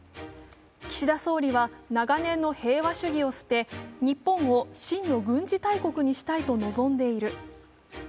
岸田総理は長年の平和主義を捨て、日本を真の軍事大国にしたいと望んでいる。